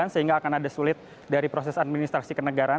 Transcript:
sehingga akan ada sulit dari proses administrasi kenegaraan